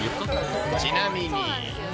ちなみに。